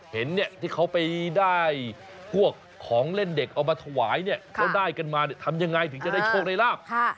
เห็นเนี่ยที่เขาไปได้พวกของเล่นเด็กเอามาถวายเนี่ยแล้วได้กันมาทำยังไงถึงจะได้โชคได้ลาบ